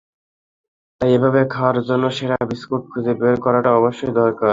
তাই এভাবে খাওয়ার জন্য সেরা বিস্কুট খুঁজে বের করাটা অবশ্যই দরকার।